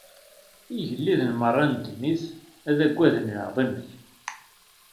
Igelliden merra n ddunit ad aggaden lɛaḍima-k.